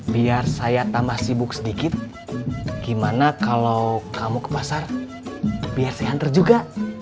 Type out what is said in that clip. biar saya tambah sibuk sedikit gimana kalau kamu ke pasar biar saya hanter juga